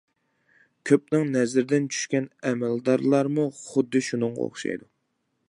كۆپنىڭ نەزىرىدىن چۈشكەن ئەمەلدارلارمۇ خۇددى شۇنىڭغا ئوخشايدۇ.